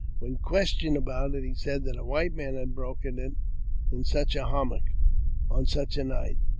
When ques tioned about it, he said that a white man had broken it in such a hummock, on such a night.